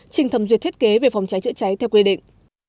trình thẩm duyệt thiết kế về phòng cháy chữa cháy theo quy định